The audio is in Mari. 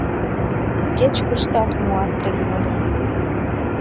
Кеч-куштат муат тый мыйым.